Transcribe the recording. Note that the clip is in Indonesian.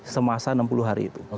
semasa enam puluh hari itu